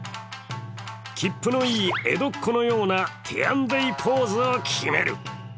気っぷのいい江戸っ子のようなてやんでいポーズを決める。